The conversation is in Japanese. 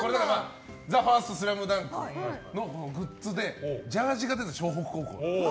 「ＴＨＥＦＩＲＳＴＳＬＡＭＤＵＮＫ」のグッズでジャージーが出たんです